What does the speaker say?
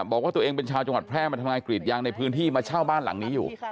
บอกว่าตัวเองเป็นชาวจังหวัดแพร่มาทำงานกรีดยางในพื้นที่มาเช่าบ้านหลังนี้อยู่